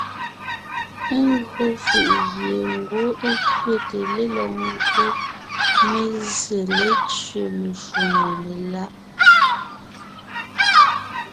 Ńgÿo fʉ̀ʼ gie ngwɔ́ é kẅéte lélɔg ńgÿo mé zsé létẅé meshwóŋè meláʼ.